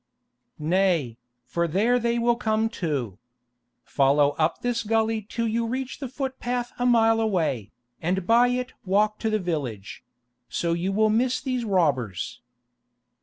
"Nay, for there they will come too. Follow up this gully till you reach the footpath a mile away, and by it walk to the village; so you will miss these robbers."